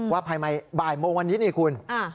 ว่าบ่ายโมงวันนี้นี่คุณ